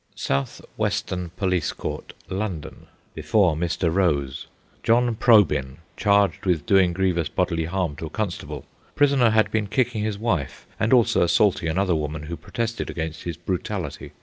South western Police Court, London. Before Mr. Rose. John Probyn, charged with doing grievous bodily harm to a constable. Prisoner had been kicking his wife, and also assaulting another woman who protested against his brutality.